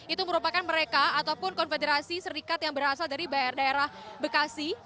itu merupakan mereka ataupun konfederasi serikat yang berasal dari bayar daerah bekasi